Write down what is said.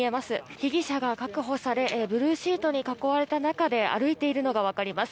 被疑者が確保されブルーシートに囲われた中で歩いているのが分かります。